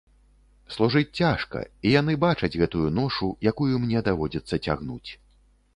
Служыць цяжка, і яны бачаць гэтую ношу, якую мне даводзіцца цягнуць.